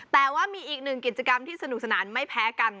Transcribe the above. แต่ว่ามีอีกหนึ่งกิจกรรมที่สนุกสนานไม่แพ้กัน